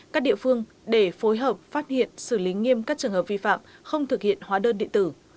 không vi phạm không thực hiện hóa đơn điện tử